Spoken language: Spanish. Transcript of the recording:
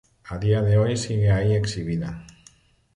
A día de hoy sigue ahí exhibida.